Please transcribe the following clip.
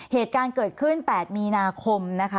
เหตุการณ์เกิดขึ้น๘มีนาคมนะคะ